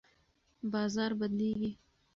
بازار بدلیږي.